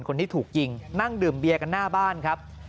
คนที่ถูกยิงนั่งดื่มเบียร์กันหน้าบ้านครับ